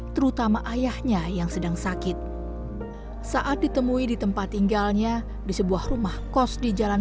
terutama ayahnya yang sedang sakit saat ditemui di tempat tinggalnya di sebuah rumah kos di jalan